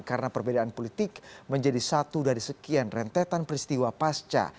karena perbedaan politik menjadi satu dari sekian rentetan peristiwa pasca